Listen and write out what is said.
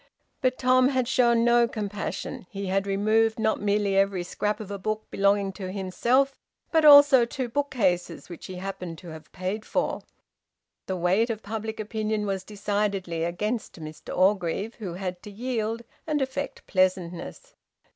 But Tom had shown no compassion. He had removed not merely every scrap of a book belonging to himself, but also two bookcases which he happened to have paid for. The weight of public opinion was decidedly against Mr Orgreave, who had to yield and affect pleasantness.